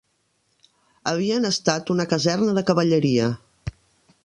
Havien estat una caserna de cavalleria